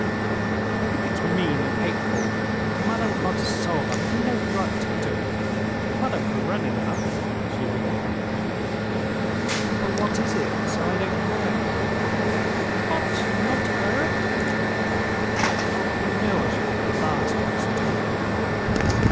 "I think it's mean and hateful, and Madame Kartasova had no right to do it. Madame Karenina...." she began. "But what is it? I don't know." "What? you've not heard?" "You know I should be the last person to hear of it."